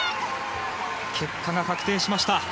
結果が確定しました。